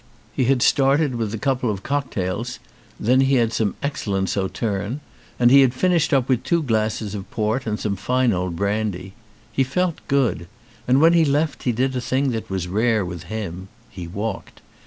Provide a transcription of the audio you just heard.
He had started with a couple of cocktails, then he had some excellent sauterne and he had finished up with two glasses of port and some fine old brandy. He felt good. And when he left he did a thing that was rare with him; he walked.